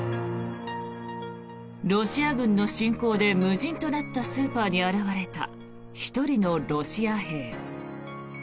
ロシア軍の侵攻で無人となったスーパーに現れた１人のロシア兵。